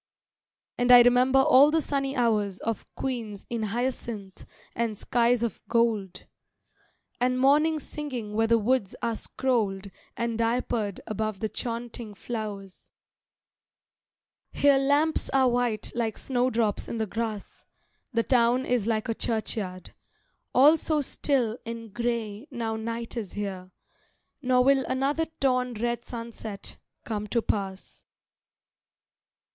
And I remember all the sunny hours Of queens in hyacinth and skies of gold, And morning singing where the woods are scrolled And diapered above the chaunting flowers. Here lamps are white like snowdrops in the grass; The town is like a churchyard, all so still And grey now night is here; nor will Another torn red sunset come to pass.